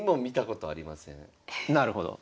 なるほど。